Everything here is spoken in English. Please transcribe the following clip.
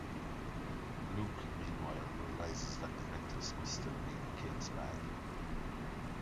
Luc, meanwhile, realizes that the necklace must still be in Kate's bag.